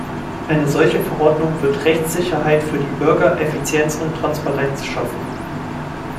Eine solche Verordnung wird Rechtssicherheit für die Bürger, Effizienz und Transparenz schaffen.